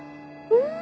うん！